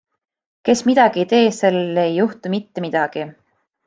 Kes midagi ei tee, sellel ei juhtu mitte midagi.